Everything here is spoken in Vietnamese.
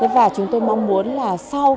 và chúng tôi mong muốn là sau